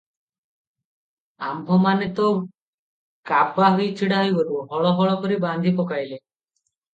ଆମ୍ଭମାନେ ତ କାବା ହୋଇ ଛିଡ଼ା ହୋଇଥିଲୁ, ହଳ ହଳ କରି ବାନ୍ଧି ପକାଇଲେ ।